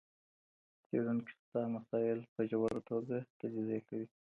څېړونکي شته مسایل په ژوره توګه تجزیه کوي.